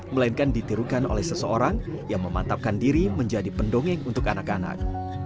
melainkan ditirukan oleh seseorang yang memantapkan diri menjadi pendongeng untuk anak anak